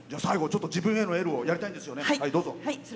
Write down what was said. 自分へのエールをやりたいんですよね。